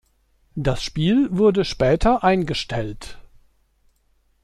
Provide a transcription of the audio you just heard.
Das Spiel wurde später eingestellt.